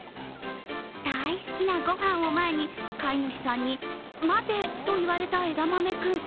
大好きなご飯を前に、飼い主さんに待てと言われたえだまめ君。